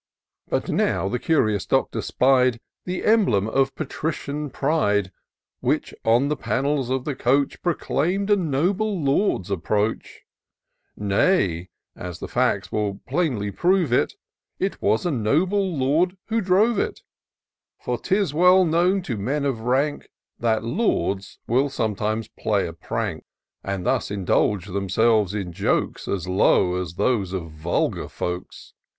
But now the curious Doctor spied The emblem of patrician pride, Wliich, on the panels of the coach, Proclaim'd a noble lord's approach : Nay, (as the facts will plainly prove it) It was a noble lord who drove it : For 'tis well known to men of rank, That lords will sometimes play a prank, And thus indulge themselves in jokes As low as those of vulgar folks.